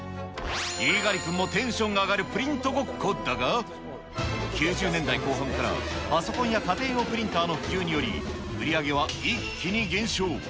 猪狩君もテンションが上がるプリントゴッコだが、９０年代後半からパソコンや家庭用プリンターの普及により、売り上げは一気に減少。